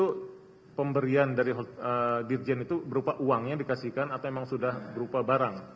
itu pemberian dari dirjen itu berupa uangnya dikasihkan atau memang sudah berupa barang